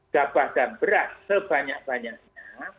gabah dan beras sebanyak banyaknya